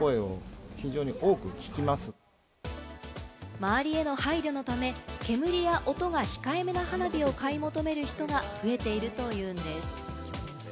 周りへの配慮のため、煙や音が控えめな花火を買い求める人が増えているというんです。